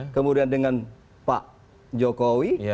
kemudian dengan pak jokowi